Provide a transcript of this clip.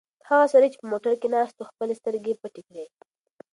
هغه سړی چې په موټر کې ناست و خپلې سترګې پټې کړې.